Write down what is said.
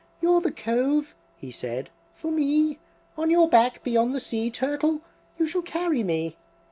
"You're the Cove," he said, "for me; On your back beyond the sea, Turtle, you shall carry me!"